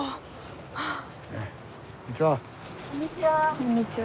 こんにちは。